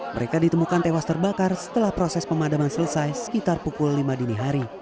mereka ditemukan tewas terbakar setelah proses pemadaman selesai sekitar pukul lima dini hari